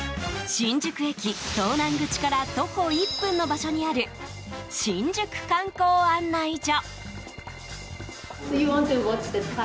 新宿駅東南口から徒歩１分の場所にある新宿観光案内所。